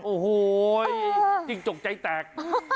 โอ้โหจิ้งจกใจแตก